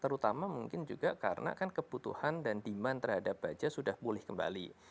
terutama mungkin juga karena kan kebutuhan dan demand terhadap baja sudah pulih kembali